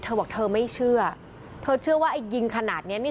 พวกมันต้องกินกันพี่